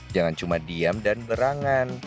jangan cuma diam dan berangan